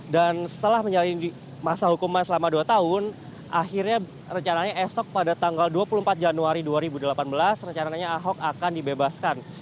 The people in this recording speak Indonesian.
dan setelah menjalani masa hukuman selama dua tahun akhirnya rencananya esok pada tanggal dua puluh empat januari dua ribu delapan belas rencananya ahok akan dibebaskan